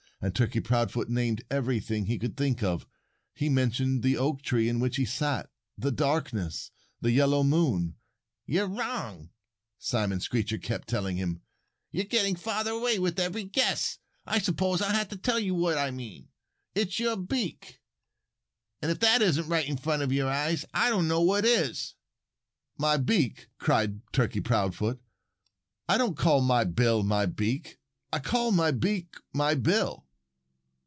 And Turkey Proudfoot named everything he could think of. He mentioned the oak tree in which he sat, the darkness, the yellow moon. "You're wrong!" Simon Screecher kept telling him. "You're getting further away with every guess. I suppose I'll have to tell you what I mean: it's your beak. And if that isn't right in front of your eyes, I don't know what is." "My beak!" cried Turkey Proudfoot. "I don't call my bill my beak. I call my beak my bill."